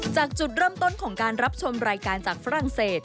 จากจุดเริ่มต้นของการรับชมรายการจากฝรั่งเศส